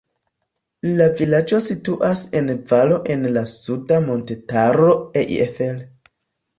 La vilaĝo situas en valo en la suda montetaro Eifel.